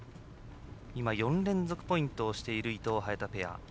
４連続ポイントをしている伊藤、早田ペア。